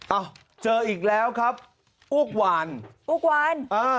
เอ้าเจออีกแล้วครับอุ๊กหวานอุ๊กหวานอ่า